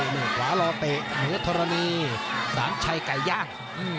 นี่ก็คือธรณัีสามารถใช้ไก่ย่าง